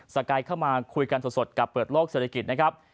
สกายเข้ามาคุยกันสดกับเปิดโลกเศรษฐกิจนะครับ